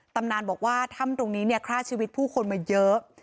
ตำนานบอกว่าถ้ำตรงนี้เนี่ยฆ่าชีวิตผู้คนมาเยอะ